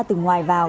từ ngoài vào